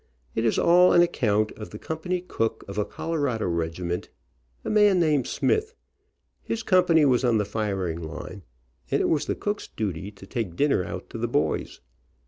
It is all on account of the company cook of a Colorado regiment, a man named Smith. His company was on the firing line, and it was the cook's duty to take dinner out to the boys.